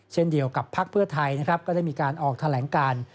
เช่นเดียวกับพักเพื่อไทยนะครับก็ได้มีการออกแถลงการ